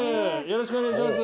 よろしくお願いします。